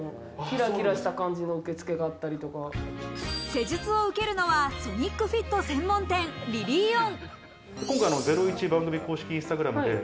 施術を受けるのはソニックフィット専門店、ＲＩＬＬＥＥ−ＯＮ。